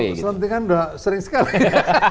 kalau selentingan sudah sering sekali